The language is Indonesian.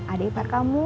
adek part kamu